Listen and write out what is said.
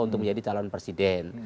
untuk menjadi calon presiden